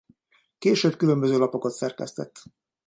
Később különböző lapokat szerkesztett.